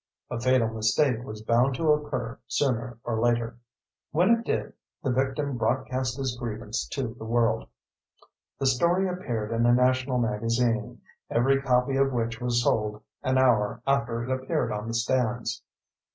A fatal mistake was bound to occur sooner or later. When it did, the victim broadcast his grievance to the world. The story appeared in a national magazine, every copy of which was sold an hour after it appeared on the stands.